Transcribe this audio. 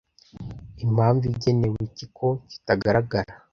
impamvu igenewe iki ko kitagaragara